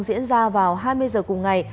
diễn ra vào hai mươi h cùng ngày